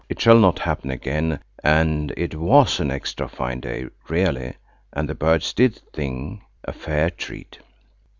It shall not happen again, and it was an extra fine day, really, and the birds did sing, a fair treat.)